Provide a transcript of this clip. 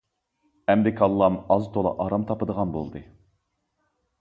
ئەمدى كاللام ئاز-تولا ئارام تاپىدىغان بولدى.